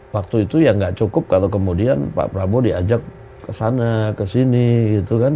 waktu itu ya gak cukup kalau kemudian pak prabowo diajak kesana kesini gitu kan